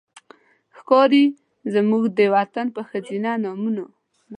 ښکاري زموږ د وطن په ښځېنه نومونو